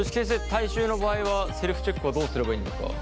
体臭の場合はセルフチェックはどうすればいいんですか？